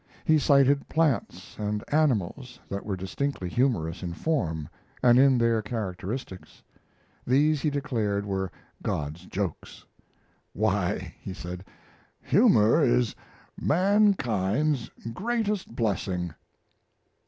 He cited plants and animals that were distinctly humorous in form and in their characteristics. These he declared were God's jokes. "Why," he said, "humor is mankind's greatest blessing."